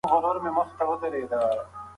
که لیک وي نو تاریخ نه ورکیږي.